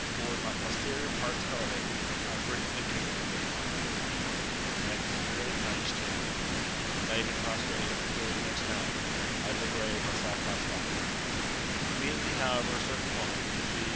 For with my posterior parts elevated, I frequently kicked him with my hind feet, and having severely punished him, and laid him prostrate at the foot of the next mountain, I liberated myself by flight Immediately, however, a certain woman, via.